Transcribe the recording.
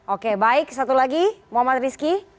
oke baik satu lagi muhammad rizky